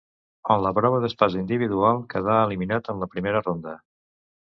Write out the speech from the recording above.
En la prova d'espasa individual quedà eliminat en la primera ronda.